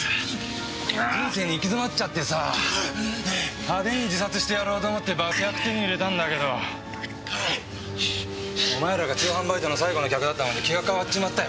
人生に行き詰まっちゃってさ派手に自殺してやろうと思って爆薬手に入れたんだけどお前らが通販バイトの最後の客だったもんで気が変わっちまったよ。